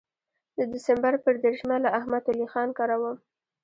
د سپټمبر پر دېرشمه له احمد ولي خان کره وم.